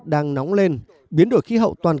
và những người trẻ ở đường